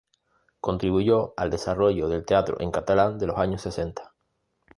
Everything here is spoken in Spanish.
Contribuyó al desarrollo del teatro en catalán de los años sesenta.